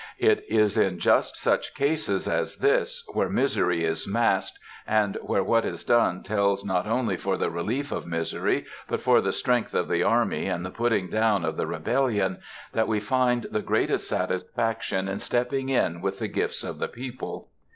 It is in just such cases as this, where misery is massed, and where what is done tells not only for the relief of misery, but for the strength of the army and the putting down of the rebellion, that we find the greatest satisfaction in stepping in with the gifts of the people.